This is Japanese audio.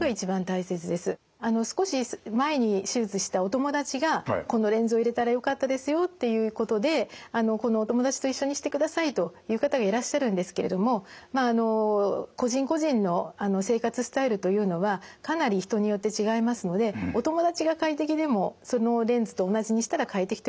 あの少し前に手術したお友達がこのレンズを入れたらよかったですよということでこのお友達と一緒にしてくださいと言う方がいらっしゃるんですけれどもまああの個人個人の生活スタイルというのはかなり人によって違いますのでお友達が快適でもそのレンズと同じにしたら快適というわけではないんですね。